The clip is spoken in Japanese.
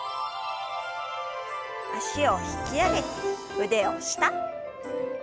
脚を引き上げて腕を下。